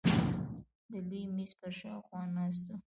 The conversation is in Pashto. د لوی مېز پر شاوخوا ناست وو.